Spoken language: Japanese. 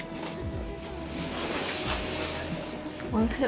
おいしい！